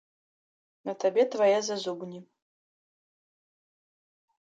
На табе твае зазубні.